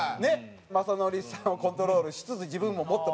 「雅紀さんをコントロールしつつ自分ももっと前に出る」と。